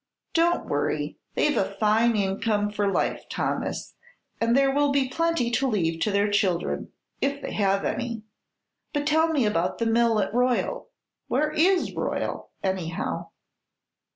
"Don't worry. They've a fine income for life, Thomas, and there will be plenty to leave to their children if they have any. But tell me about the mill at Royal. Where is Royal, anyhow?"